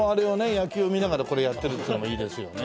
野球を見ながらこれやってるっていうのもいいですよね。